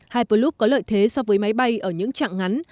hyperloop có lợi thế so với máy bay ở những chặng ngắn